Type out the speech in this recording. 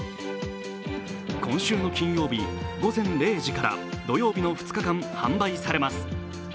今週の金曜日、午前０時から土曜日の２日間販売されます。